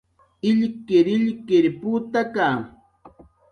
illkirilkir putaka